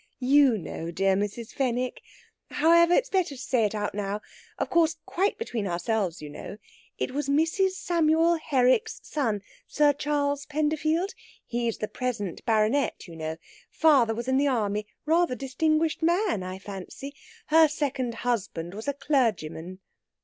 You know, dear Mrs. Fenwick! However, it's better to say it out now of course, quite between ourselves, you know. It was Mrs. Samuel Herrick's son, Sir Charles Penderfield. He's the present baronet, you know. Father was in the army rather distinguished man, I fancy. Her second husband was a clergyman...."